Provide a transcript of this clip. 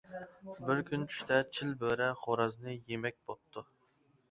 بىر كۈن چۈشتە چىل بۆرە، خورازنى يېمەك بوپتۇ.